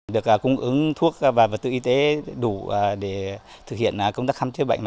được cung ứng thuốc và vật tự y tế đủ để thực hiện công tác khám chế bệnh